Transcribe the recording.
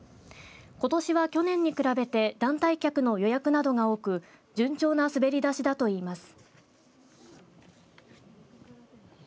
ことしは去年に比べて団体客の予約などが多く順調な滑りだしだといいます。